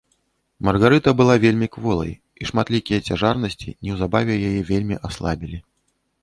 Маргарыта была вельмі кволай і шматлікія цяжарнасці неўзабаве яе вельмі аслабілі.